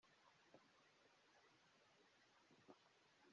igikuru numutekano